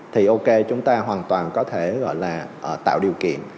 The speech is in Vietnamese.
thì ok chúng ta hoàn toàn có thể gọi là tạo điều kiện